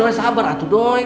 doi sabar atuh doi